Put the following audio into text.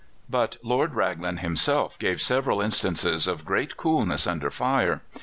] But Lord Raglan himself gave several instances of great coolness under fire.